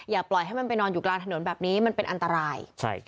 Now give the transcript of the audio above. อย่าปล่อยให้มันไปนอนอยู่กลางถนนแบบนี้มันเป็นอันตราย